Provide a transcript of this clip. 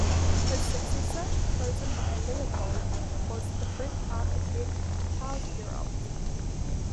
His successor, chosen by Leopold, was the French architect Charles Girault.